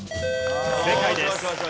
正解です。